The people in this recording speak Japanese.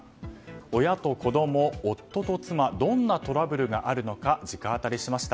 親と子供、夫と妻どんなトラブルがあるのか直アタリしました。